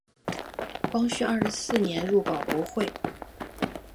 光绪二十四年入保国会。